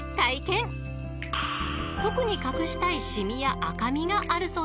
［特に隠したいしみや赤みがあるそうですが］